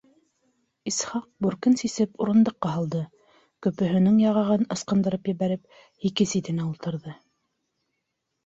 Исхаҡ бүркен сисеп урындыҡҡа һалды, көпөһөнөң яғаһын ысҡындырып ебәреп, һике ситенә ултырҙы.